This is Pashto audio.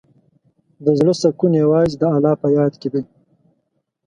د زړۀ سکون یوازې د الله په یاد کې دی.